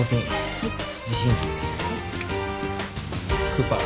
クーパー。